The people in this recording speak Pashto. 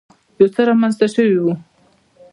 يو څه رامخته شوی و.